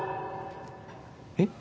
えっ？